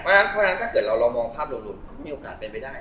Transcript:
เพราะฉะนั้นถ้าเกิดเรามองภาพรวมก็มีโอกาสเป็นไปได้